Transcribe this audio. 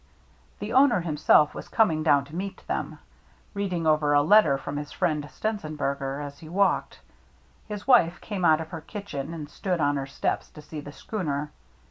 The owner himself was coming down to meet them, reading over a letter from his friend, Stenzenberger, as he walked. His wife came out of her kitchen and stood oh her steps to see the schooner.